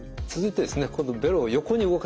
今度ベロを横に動かします。